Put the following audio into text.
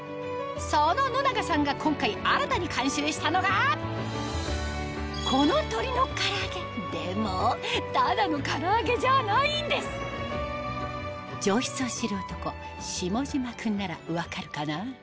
その野永さんが今回新たに監修したのがこのでもただのから揚げじゃないんです上質を知る男下嶋君なら分かるかな？